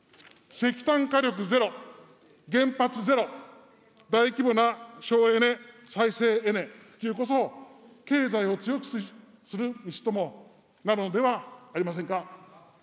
石炭火力ゼロ、原発ゼロ、大規模な省エネ・再生エネ普及こそ、経済を強くする道ともなるのではありませんか。